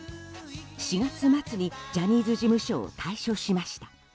４月末にジャニーズ事務所を退所しました。